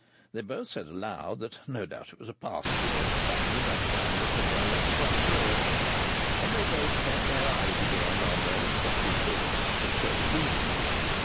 They both said aloud that no doubt it was a parcel or something of the kind that had rung at the front door. And they both bent their eyes again on the respective books which they were reading.